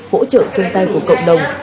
hỗ trợ trong tay của cộng đồng